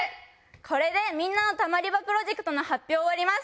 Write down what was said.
これでみんなのたまり場プロジェクトの発表を終わります。